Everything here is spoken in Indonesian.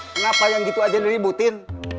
kenapa yang gitu aja diributin